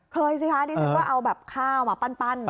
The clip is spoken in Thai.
เคยสิค่ะที่สุดก็เอาแบบข้าวมาปั้น